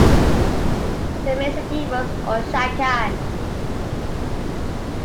The main city was Oshakan.